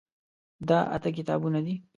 دا اته کتابونه دي.